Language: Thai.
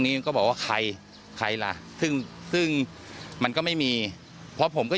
นี้ก็บอกว่าใครใครล่ะซึ่งซึ่งมันก็ไม่มีเพราะผมก็